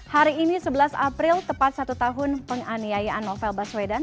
hari ini sebelas april tepat satu tahun penganiayaan novel baswedan